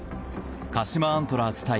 鹿島アントラーズ対